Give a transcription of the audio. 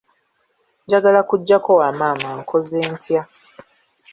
Njagala kujjako wa maama nkoze ntya?